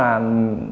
cái đồng nghiệp